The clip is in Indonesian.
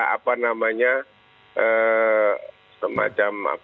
apa namanya semacam apa ya